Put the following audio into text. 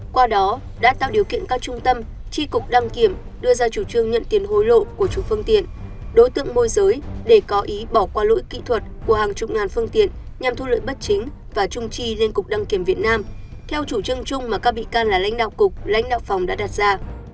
qua đó đã tạo điều kiện các trung tâm tri cục đăng kiểm đưa ra chủ trương nhận tiền hối lộ của chủ phương tiện đối tượng môi giới để có ý bỏ qua lỗi kỹ thuật của hàng chục ngàn phương tiện nhằm thu lợi bất chính và trung tri lên cục đăng kiểm việt nam theo chủ trương chung mà các bị can là lãnh đạo cục lãnh đạo phòng đã đặt ra